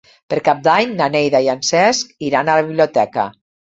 Per Cap d'Any na Neida i en Cesc iran a la biblioteca.